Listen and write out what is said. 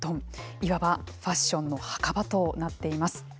いわばファッションの墓場となっています。